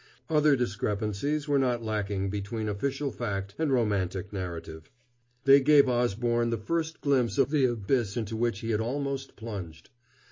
Other discrepancies were not lacking between official fact and romantic narrative. They gave Osborne the first glimpse of the abyss into which he had almost plunged.